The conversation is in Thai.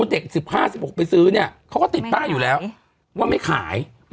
อืมอืมอืมอืมอืมอืมอืม